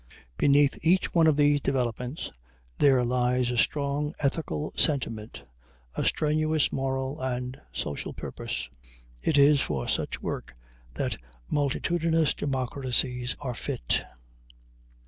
Beneath each one of these developments there lies a strong ethical sentiment, a strenuous moral and social purpose. It is for such work that multitudinous democracies are fit.